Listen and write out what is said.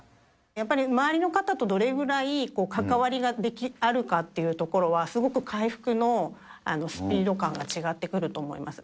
やっぱり周りの方とどれぐらい関わりがあるかっていうところは、すごく回復のスピード感が違ってくると思います。